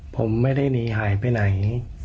ผมไม่ได้หนีหายไปไหน